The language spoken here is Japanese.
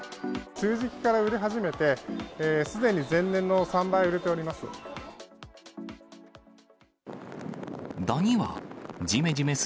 梅雨時期から売れ始めて、すでに前年の３倍売れております。